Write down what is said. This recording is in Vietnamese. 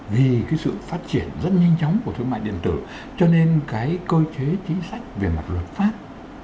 vì cái sự phát triển rất nhanh chóng của thương mại điện tử cho nên cái cơ chế chính sách về mặt luật pháp